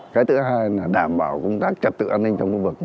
cái thứ hai là đảm bảo công tác trật tự an ninh trong khu vực